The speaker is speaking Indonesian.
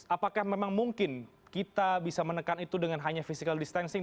apakah memang mungkin kita bisa menekan itu dengan hanya physical distancing